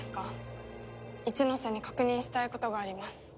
一ノ瀬に確認したいことがあります。